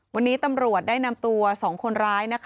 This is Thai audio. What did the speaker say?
วันนี้ตำรวจได้นำตัว๒คนร้าย